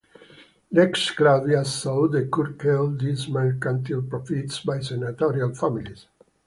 Lex Claudia sought to curtail these mercantile profits by senatorial families.